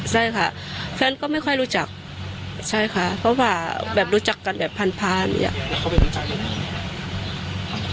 ใช่ค่ะแฟนก็ไม่ค่อยรู้จักเพราะว่ารู้จักกันแบบพันธุ์พันธุ์